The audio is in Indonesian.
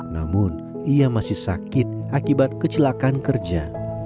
namun ia masih sakit akibat kecelakaan kerja